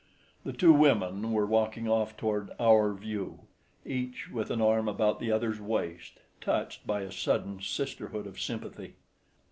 The two women were walking off toward "our view," each with an arm about the other's waist—touched by a sudden sisterhood of sympathy.